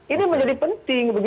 ini menjadi penting